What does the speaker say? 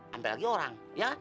sampai lagi orang ya